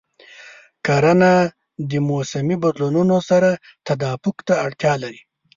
کرنه د موسمي بدلونونو سره تطابق ته اړتیا لري.